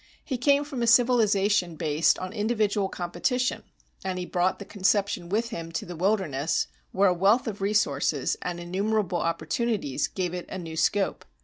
He came from a civilization based on individual competition, and he brought the conception with him to the wilderness where a wealth of resources, and innumerable opportunities gave it a new scope.